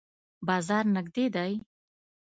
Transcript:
بازار نږدې دی؟